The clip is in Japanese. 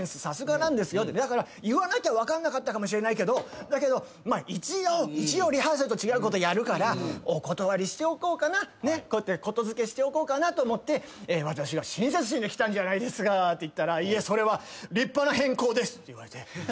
さすがなんですよだから言わなきゃ分かんなかったかもしれないけどだけど一応リハーサルと違うことやるからお断りしておこうかな言付けしておこうかなと思って私が親切心で来たんじゃないですかって言ったら「いえそれは立派な変更です」って言われて。